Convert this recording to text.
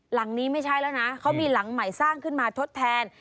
หลังนี้ไม่ใช่แล้วนะเขามีหลังใหม่สร้างขึ้นมาทดแทน